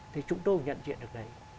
thì chúng tôi cũng nhận diện được đấy